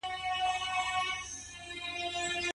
زیات خلګ په لږ معاش کار کوي.